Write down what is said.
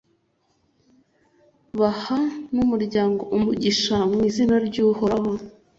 baha n’umuryango umugisha mu izina ry’Uhoraho.